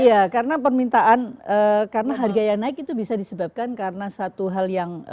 iya karena permintaan karena harga yang naik itu bisa disebabkan karena satu hal yang